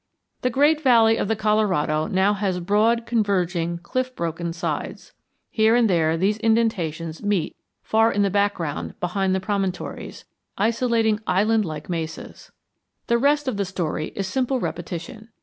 The great valley of the Colorado now has broad converging cliff broken sides. Here and there these indentations meet far in the background behind the promontories, isolating island like mesas. The rest of the story is simple repetition.